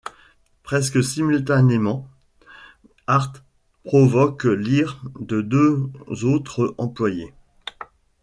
Presque simultanément, Hart provoque l'ire de deux autres employées.